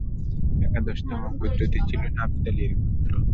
একাদশতম গোত্রটি ছিল নাফতালী-এর গোত্র।